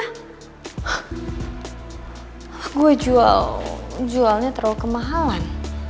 hah gue jual jualnya terlalu kemahalan